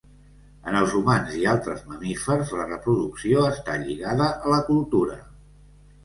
En els humans i altres mamífers la reproducció està lligada a la cultura.